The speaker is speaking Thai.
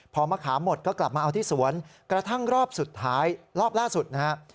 พอมะขามหมดก็กลับมาเอาที่สวนกระทั่งรอบสุดท้ายรอบล่าสุดนะฮะ